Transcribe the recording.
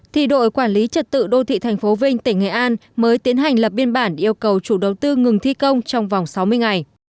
thì đội quản lý trật tự đô thị thành phố vinh tỉnh nghệ an mới tiến hành lập biên bản yêu cầu chủ đầu tư ngừng thi công trong vòng sáu mươi ngày